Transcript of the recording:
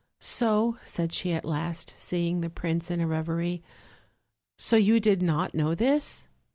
"So," said she at last, seeing the prince in a reverie "so you did not know this?"